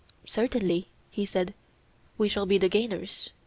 Certainly, he said, we shall be the gainers.